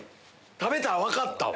食べたら分かったわ。